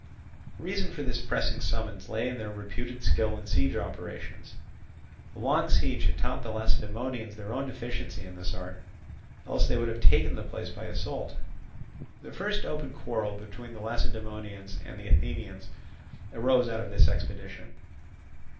The reason for this pressing summons lay in their reputed skill in siege operations; a long siege had taught the Lacedaemonians their own deficiency in this art, else they would have taken the place by assault. The first open quarrel between the Lacedaemonians and Athenians arose out of this expedition.